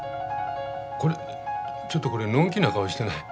これちょっとこれのん気な顔してない？